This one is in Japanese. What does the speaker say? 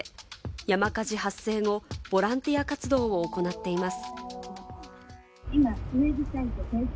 山火事発生後、ボランティア活動を行っています。